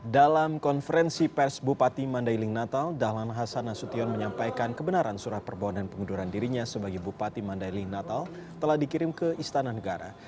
dalam konferensi pers bupati mandailing natal dahlan hasan nasution menyampaikan kebenaran surat permohonan pengunduran dirinya sebagai bupati mandailing natal telah dikirim ke istana negara